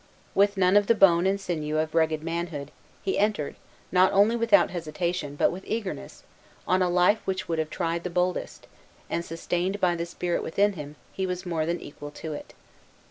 With none of the bone and sinew of rugged manhood, he entered, not only without hesitation, but with eagerness, on a life which would have tried the boldest; and, sustained by the spirit within him, he was more than equal to it.